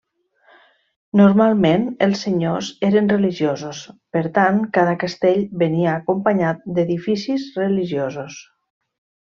Normalment els senyors eren religiosos, per tant cada castell venia acompanyat d'edificis religiosos.